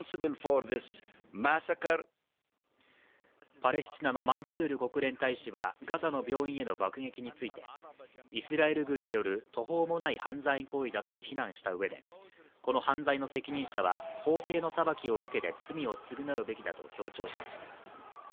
パレスチナのマンスール国連大使はガザの病院への爆撃についてイスラエル軍による途方もない犯罪行為だと非難したうえでこの犯罪の責任者は法廷の裁きを受けて罪を償うべきだと強調しました。